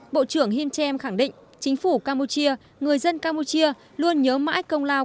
bộ trưởng him kem khẳng định chính phủ campuchia người dân campuchia luôn nhớ mãi công lao